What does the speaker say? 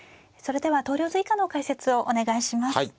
それでは投了図以下の解説をお願いします。